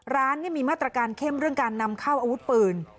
ร้านมีมาตรการเข้มเรื่องการนำเข้าอาวุธปืน